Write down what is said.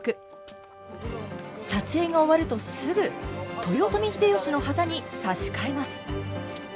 撮影が終わるとすぐ豊臣秀吉の旗に差し替えます。